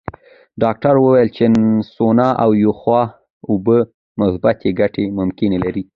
ډاکټره وویل چې سونا او یخو اوبو مثبتې ګټې ممکنه لري.